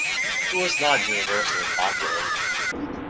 It was not universally popular.